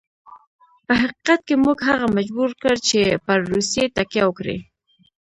په حقیقت کې موږ هغه مجبور کړ چې پر روسیې تکیه وکړي.